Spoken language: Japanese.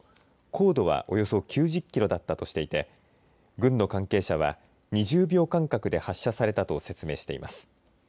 高度はおよそ９０キロだったとしていて軍の関係者は２０秒間隔で発射されたと説明しています。